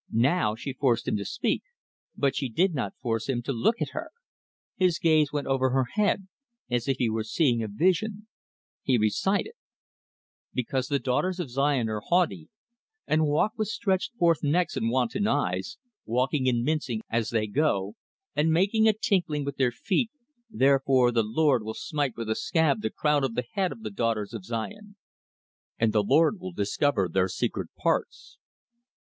Now she forced him to speak, but she did not force him to look at her. His gaze went over her head, as if he were seeing a vision; he recited: "Because the daughters of Zion are haughty, and walk with stretched forth necks and wanton eyes, walking and mincing as they go, and making a tinkling with their feet; therefore the Lord will smite with a scab the crown of the head of the daughters of Zion, and the Lord will discover their secret parts."